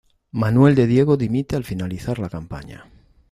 Manuel de Diego dimite al finalizar la campaña.